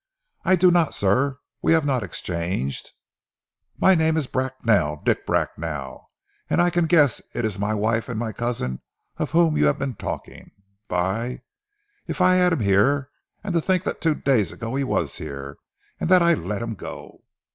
"I do not, sir! We have not exchanged " "My name is Bracknell Dick Bracknell; and I can guess it is my wife and my cousin of whom you have been talking. By if I had him here. And to think that two days ago he was here, and that I let him go."